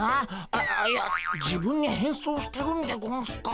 あいや自分に変装してるんでゴンスか？